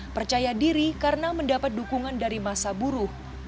percaya diri karena mendapat dukungan dari masa buruh